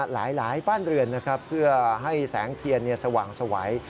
หลายบ้านเรือนนะครับเพื่อให้แสงเทียนสว่างสวัย